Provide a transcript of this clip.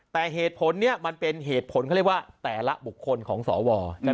แต่เหตุผลนี้มันเป็นและให้ว่าแต่ละบุคคลของสว